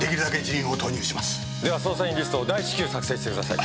では捜査員リストを大至急作成してください。